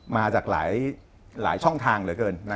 มาจากหลายช่องทางเหลือเกิน